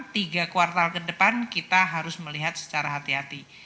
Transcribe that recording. tiga kuartal ke depan kita harus melihat secara hati hati